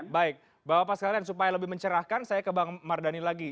baik bapak paskalian supaya lebih mencerahkan saya ke bang mardani lagi